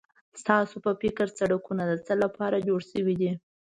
ستاسو په فکر سړکونه د څه لپاره جوړ شوي دي؟